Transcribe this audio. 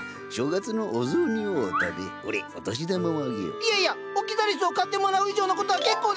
いやいやオキザリスを買ってもらう以上のことは結構です。